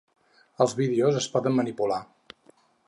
Els vídeos es poden manipular